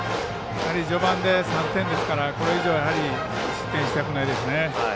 やはり序盤で３点ですからこれ以上は失点したくないですね。